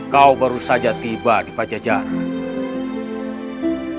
kau baru saja tiba di pajajaran